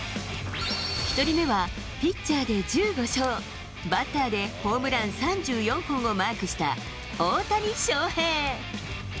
１人目は、ピッチャーで１５勝、バッターでホームラン３４本をマークした大谷翔平。